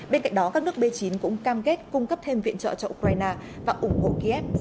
bên cạnh đó các nước b chín cũng cam kết cung cấp thêm viện trợ cho ukraine và ủng hộ kiev gia nhập nato